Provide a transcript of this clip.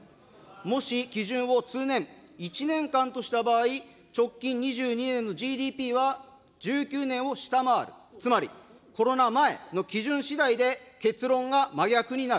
もし、基準を通年、１年間とした場合、直近２２年のＧＤＰは１９年を下回る、つまり、コロナ前の基準しだいで結論が真逆になる。